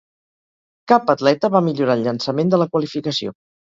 Cap atleta va millorar el llançament de la qualificació.